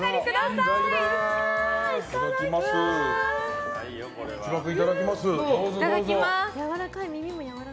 いただきます！